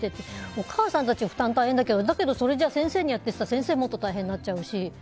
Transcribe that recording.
お母さんたちの負担も大変だけどだけど、それを先生にやってってなったら先生がもっと大変になっちゃうし。